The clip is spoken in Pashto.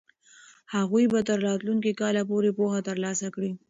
هغوی به تر راتلونکي کاله پورې پوهه ترلاسه کړي.